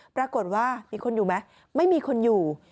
ปรากฏว่ามีคนอยู่ไหมไม่มีคนอยู่